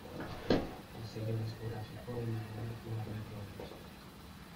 El sello discográfico de Madonna, Warner Bros.